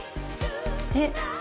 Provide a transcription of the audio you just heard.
えっ？